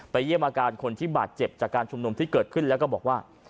เยี่ยมอาการคนที่บาดเจ็บจากการชุมนุมที่เกิดขึ้นแล้วก็บอกว่า